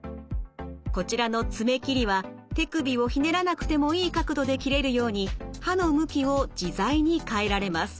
こちらの爪切りは手首をひねらなくてもいい角度で切れるように刃の向きを自在に変えられます。